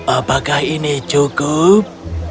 apakah ini cukup